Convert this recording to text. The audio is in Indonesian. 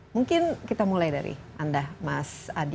mungkin kita mulai dari anda mas adi